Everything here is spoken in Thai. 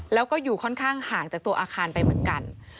แล้วก็อยู่ค่อนข้างห่างจากตัวอาคารไปเหมือนกัน